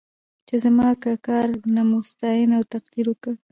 چې زما که کار نه مو ستاینه او تقدير وکړ.